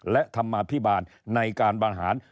และธรรมาภิบาลในการบริหาร